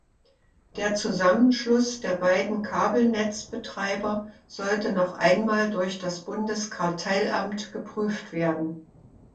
Der Zusammenschluss der beiden Kabelnetzbetreiber sollte noch einmal durch das Bundeskartellamt geprüft werden.